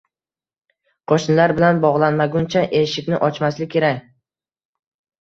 qo‘shnilar bilan bog‘lanmaguncha eshikni ochmaslik kerak.